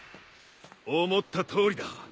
思ったとおりだ。